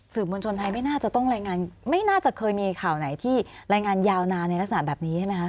มวลชนไทยไม่น่าจะต้องรายงานไม่น่าจะเคยมีข่าวไหนที่รายงานยาวนานในลักษณะแบบนี้ใช่ไหมคะ